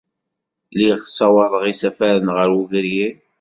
Lliɣ ssawaḍeɣ isafaren ɣer wegrir.